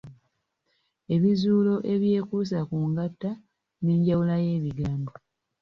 Ebizuulo ebyekuusa ku ngatta n’enjawula y’ebigambo.